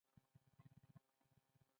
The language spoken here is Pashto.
په مالګینو دښتونو کې لارې ووهلې.